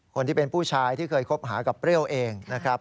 คนที่เป็นผู้ชายที่เคยคบหากับเปรี้ยวเองนะครับ